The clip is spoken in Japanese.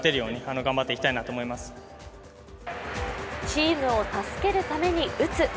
チームを助けるために打つ。